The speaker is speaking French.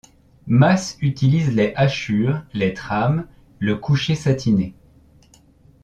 Masse utilise les hachures, les trames, le couché satiné.